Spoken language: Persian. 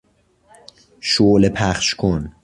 شعله پخش کن